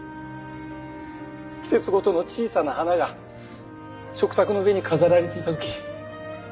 季節ごとの小さな花が食卓の上に飾られていたとき。